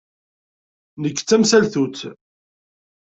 Nekk d tamsaltut.